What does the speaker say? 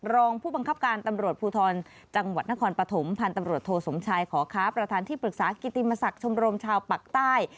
รองผู้บังคับการตำรวจภูทรจังหวัดนครปฐมพันธ์ตำรวจโทสมชายขอค้าประธานที่ปรึกษากิติมศักดิ์ชมรมชาวปากใต้